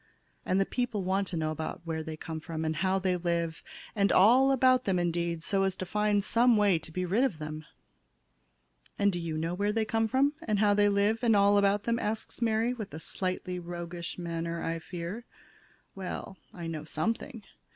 And the people want to know about where they come from, and how they live, and all about them, indeed, so as to try to find some way to be rid of them." "And do you know where they come from, and how they live, and all about them," asks Mary, with a slightly roguish manner, I fear. "Well, I know something.